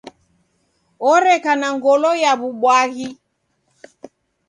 Oreka na ngolo ya w'ubwaghi.